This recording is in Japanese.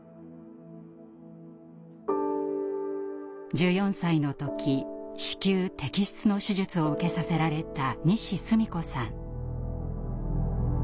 １４歳の時子宮摘出の手術を受けさせられた西スミ子さん。